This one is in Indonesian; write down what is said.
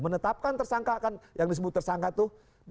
menetapkan tersangka kan yang disebut tersangka tuh